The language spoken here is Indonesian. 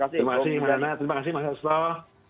terima kasih mas astro